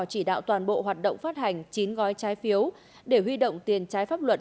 chỉ đạo toàn bộ hoạt động phát hành chín gói trái phiếu để huy động tiền trái pháp luật